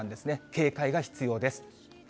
警戒が必要です。